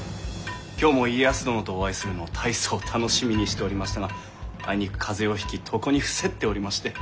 今日も家康殿とお会いするのを大層楽しみにしておりましたがあいにく風邪をひき床に伏せっておりまして。